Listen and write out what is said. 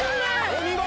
お見事！